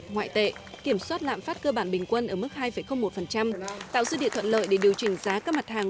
ngoại tệ kiểm soát lạm phát cơ bản bình quân ở mức hai một tạo dư địa thuận lợi để điều chỉnh giá các mặt hàng